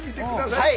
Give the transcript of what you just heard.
はい！